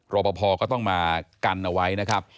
รอปภก็ต้องมากันเอาไว้นะครับ